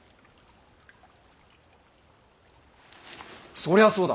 そりゃあそうだ。